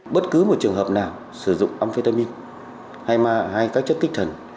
bất cứ một trường hợp nào sử dụng amphetamin hay các chất kích thần